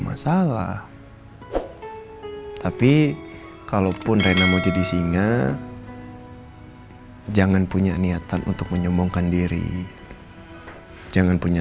masalah tapi kalaupun rena mau jadi singa jangan punya niatan untuk menyombongkan diri jangan punya